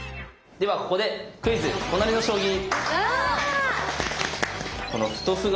ではここで「クイズ！トナリの将棋」。